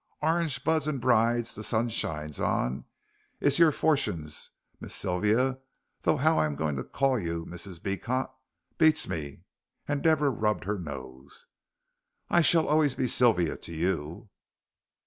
Orange buds and brides the sun shines on, is your fortunes, Miss Sylvia, though how I'm going to call you Mrs. Beecot beats me," and Deborah rubbed her nose. "I shall always be Sylvia to you."